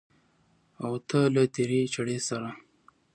او ته له تېرې چړې سره